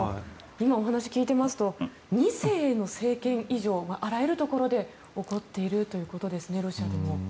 今、お話を聞いていますと２世の政権移譲があらゆるところで起こっているということですね。